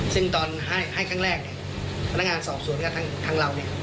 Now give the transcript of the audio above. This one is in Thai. ซึ่งตอนให้ครั้งแรกพนักงานสอบสวนทั้งเรา